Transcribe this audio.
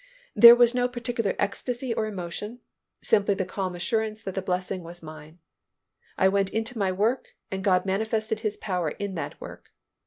There was no particular ecstasy or emotion, simply the calm assurance that the blessing was mine. I went into my work and God manifested His power in that work.